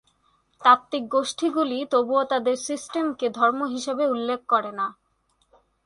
তাত্ত্বিক গোষ্ঠীগুলি তবুও তাদের সিস্টেমকে "ধর্ম" হিসাবে উল্লেখ করে না।